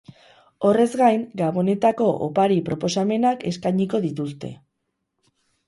Horrez gain, gabonetako opari proposamenak eskainiko dituzte.